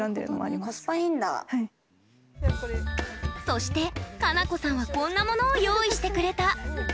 そして、奏子さんはこんなものを用意してくれた。